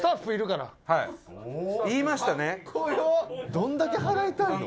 どんだけ払いたいの？